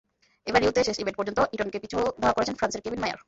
এবার রিওতে শেষ ইভেন্ট পর্যন্ত ইটনকে পিছু ধাওয়া করেছেন ফ্রান্সের কেভিন মায়ার।